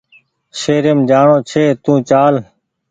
شهريم جاڻو ڇي تو چال